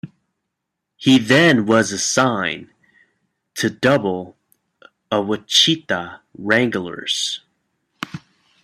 He then was assigned to Double-A Wichita Wranglers.